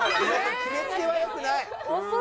決め付けは良くない。